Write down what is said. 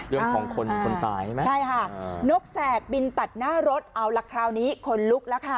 เดื้มของคนตายใช่ไหมครับนกแสกบินตัดหน้ารถเอาละคราวนี้คนลึกแล้วค่ะ